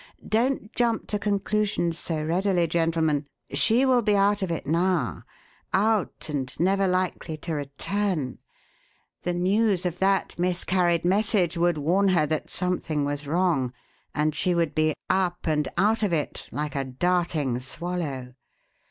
Don't jump to conclusions so readily, gentlemen. She will be out of it now, out and never likely to return; the news of that miscarried message would warn her that something was wrong, and she would be 'up and out of it' like a darting swallow.